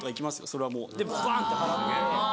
それはもうでバンって払って。